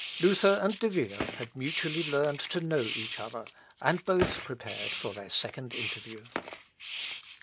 Luther and De Vio had mutually learned to know each other, and both prepared for their second interview.